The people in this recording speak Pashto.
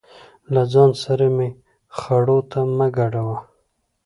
له ځان سره مې خړو ته مه ګډوه.